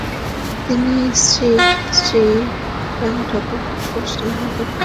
তিনি শ্রীশ্রী রামঠাকুরকে খুব স্নেহ করতেন।